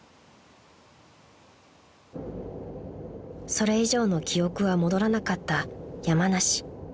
［それ以上の記憶は戻らなかった山梨］